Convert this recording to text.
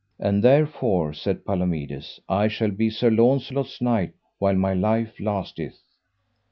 And therefore, said Palomides, I shall be Sir Launcelot's knight while my life lasteth.